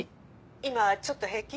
今ちょっと平気？